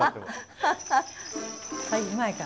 ハハハハ！